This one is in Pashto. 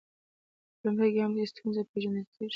په لومړي ګام کې ستونزه پیژندل کیږي.